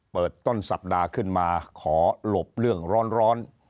ต้นสัปดาห์ขึ้นมาขอหลบเรื่องร้อน